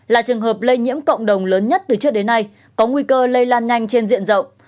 là trường hợp lây nhiễm cộng đồng lớn nhất từ trước đến nay có nguy cơ lây lan nhanh trên diện rộng